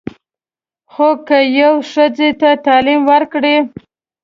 خو که یوې ښځې ته تعلیم ورکړې.